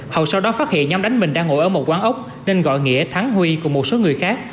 hậu sau đó phát hiện nhóm đánh mình đang ngồi ở một quán ốc nên gọi nghĩa thắng huy cùng một số người khác